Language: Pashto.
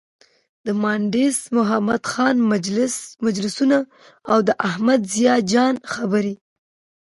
د مانډس محمد خان مجلسونه او د احمد ضیا جان خبرې.